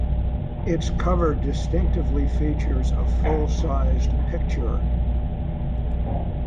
Its cover distinctively features a full-size picture.